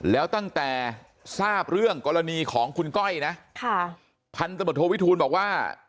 แล้วตั้งแต่ทราบเรื่องกรณีของคุณก้อยนะค่ะพันธบทโทวิทูลบอกว่า